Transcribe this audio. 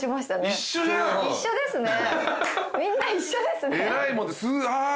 みんな一緒ですね。